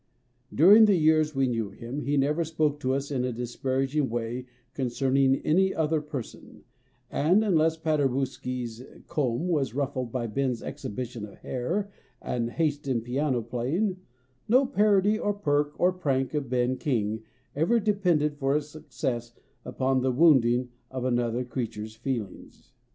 During the years we knew him, he never spoke to us in a disparaging way concerning any other person, and unless Paderewski s comb was ruffled by Ben s exhibition of hair and haste in piano playing, no parody, or perk, or prank of Ben King ever depended for its success upon the wounding of another creature s feelings.